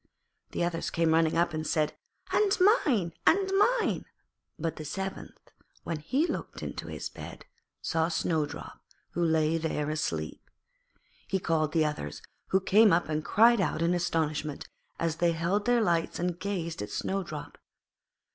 The others came running up and said, 'And mine, and mine.' But the seventh, when he looked into his bed, saw Snowdrop, who lay there asleep. He called the others, who came up and cried out with astonishment, as they held their lights and gazed at Snowdrop.